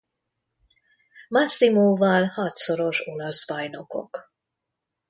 Massimoval hatszoros olasz bajnokok.